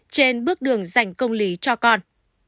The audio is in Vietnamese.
trên bước đường dành công lý cho con